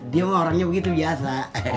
dia orangnya begitu biasa